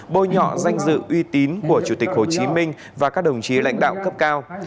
bôi nhọ danh dự uy tín của chủ tịch hồ chí minh và các đồng chí lãnh đạo cấp cao